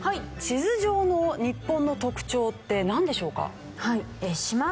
地図上の日本の特徴ってなんでしょうか？